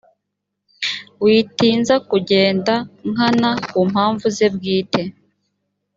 witinza kugenda nkana ku mpamvu ze bwite